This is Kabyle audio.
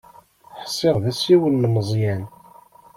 Ḥsiɣ d asiwel n Meẓyan.